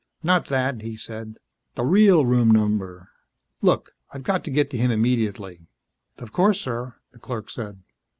"Not that," he said. "The real room number. Look, I've got to get to him immediately " "Of course, sir," the clerk said.